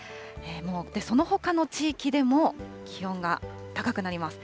そのほかの地域でも、気温が高くなります。